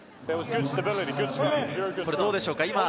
これどうでしょうか？